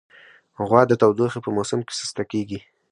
غوا د تودوخې په موسم کې سسته کېږي.